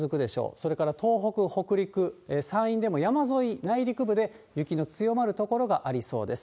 それから東北、北陸、山陰でも山沿い、内陸部で雪の強まる所がありそうです。